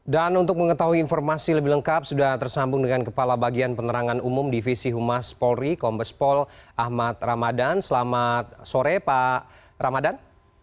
dan untuk mengetahui informasi lebih lengkap sudah tersambung dengan kepala bagian penerangan umum divisi humas polri kombespol ahmad ramadan selamat sore pak ramadan